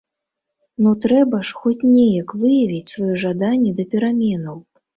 Ну трэба ж хоць неяк выявіць сваё жаданне да пераменаў?